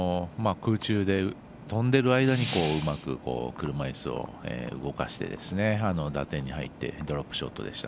空中で飛んでいる間にうまく車いすを動かして打点に入ってドロップショットでした。